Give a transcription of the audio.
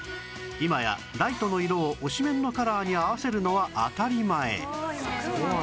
今やライトの色を推しメンのカラーに合わせるのは当たり前